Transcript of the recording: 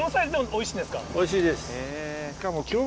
おいしいです。